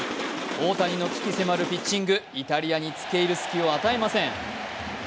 大谷の鬼気せまるピッチング、イタリアにつけ入る隙を与えません。